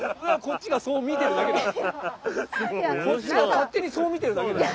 こっちがそう見てるだけ。